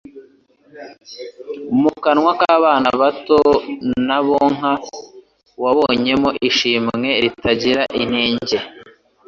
mu kanwa k’abana bato n’abonka wabonyemo ishimwe ritagira inenge?”